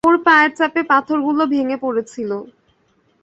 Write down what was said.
ওর পায়ের চাপে পাথরগুলো ভেঙ্গে পড়ছিল।